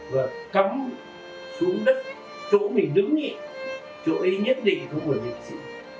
và cắm xuống đất chỗ mình đứng ý chỗ ý nhất định của một nguyện sĩ